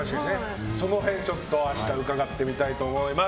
その辺ちょっと明日伺ってみたいと思います。